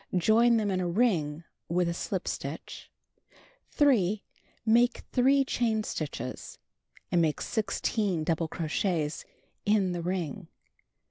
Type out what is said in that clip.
Join them in a ring with a slip stitch. 3. Make 3 chain stitches, and make IG double crochets in the ring.